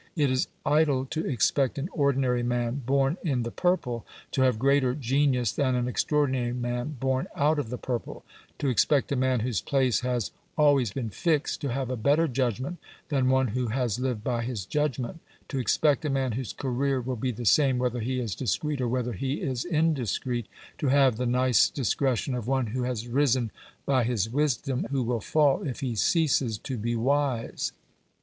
It is idle to expect an ordinary man born in the purple to have greater genius than an extraordinary man born out of the purple; to expect a man whose place has always been fixed to have a better judgment than one who has lived by his judgment; to expect a man whose career will be the same whether he is discreet or whether he is indiscreet to have the nice discretion of one who has risen by his wisdom, who will fall if he ceases to be wise.